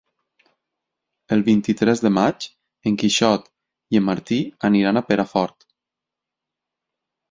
El vint-i-tres de maig en Quixot i en Martí aniran a Perafort.